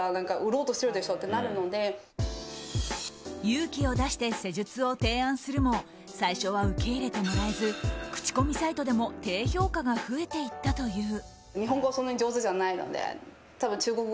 勇気を出して施術を提案するも最初は受け入れてもらえず口コミサイトでも低評価が増えていったという。